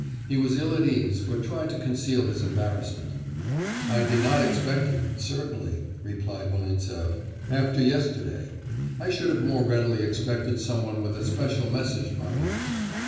He was ill at ease, but tried to conceal his embarrassment. 'I did not expect you, certainly,' replied Volintsev, 'after yesterday. I should have more readily expected some one with a special message from you.